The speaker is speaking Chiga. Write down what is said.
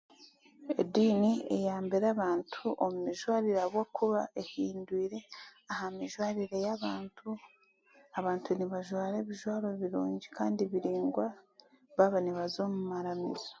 Ediini eyambire abaantu omu mijwarire ahabw'okuba ehindwiire aha mijwarire y'abaantu, abaantu nibajwara ebijwaro birungi kandi biringwa baaba nibaza omu maramizo.